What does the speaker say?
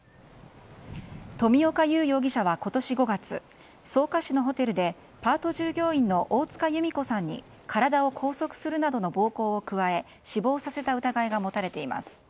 冨岡勇容疑者は今年５月草加市のホテルでパート従業員の大塚由美子さんに体を拘束するなどの暴行を加え死亡させた疑いが持たれています。